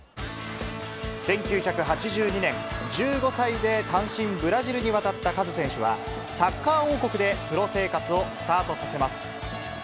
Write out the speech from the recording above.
１９８２年、１５歳で単身ブラジルに渡ったカズ選手は、サッカー王国でプロ生活をスタートさせます。